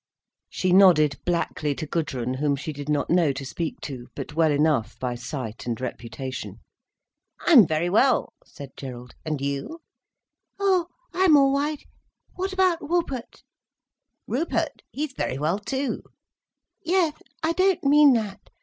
She nodded blackly to Gudrun, whom she did not know to speak to, but well enough by sight and reputation. "I am very well," said Gerald. "And you?" "Oh I'm all wight. What about Wupert?" "Rupert? He's very well, too." "Yes, I don't mean that.